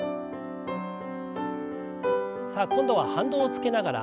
さあ今度は反動をつけながら。